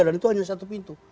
dan itu hanya satu pintu